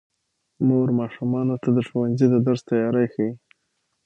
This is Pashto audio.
مور ماشومانو ته د ښوونځي د درس تیاری ښيي